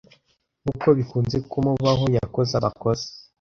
Nkuko bikunze kumubaho, yakoze amakosa.